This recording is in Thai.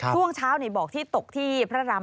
ช่วงเช้าบอกที่ตกที่พระราม